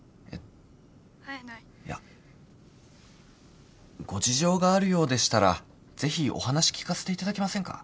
いやご事情があるようでしたらぜひお話聞かせていただけませんか？